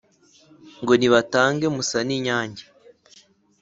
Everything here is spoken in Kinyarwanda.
Ngo nibatange Musaninyange,